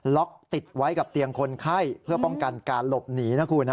ติดไว้กับเตียงคนไข้เพื่อป้องกันการหลบหนีนะคุณ